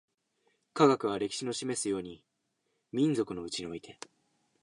科学は、歴史の示すように、民族のうちにおいて